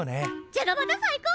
じゃがバタ最高！